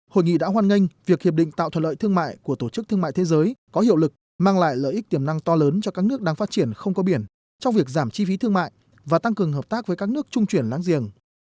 hội nghị đã hoan nghênh việc hiệp định tạo thuật lợi thương mại của tổ chức thương mại thế giới có hiệu lực mang lại lợi ích tiềm năng to lớn cho các nước đang phát triển không có biển trong việc giảm chi phí thương mại và tăng cường hợp tác với các nước trung chuyển láng giềng